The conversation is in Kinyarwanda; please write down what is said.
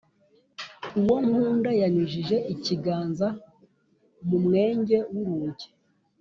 Uwo nkunda yanyujije ikiganza mu mwenge w’urugi,